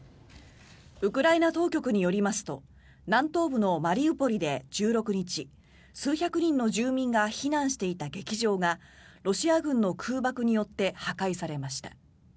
ウクライナ当局によりますと南東部のマリウポリで１６日数百人の住民が避難していた劇場がロシア軍の空爆によって破壊されました。